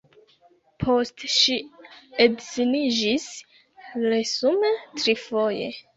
Poste ŝi edziniĝis, resume trifoje.